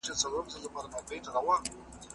تاسي باید د پښتو ژبي دپاره د مخلصو کسانو ملاتړ وکړئ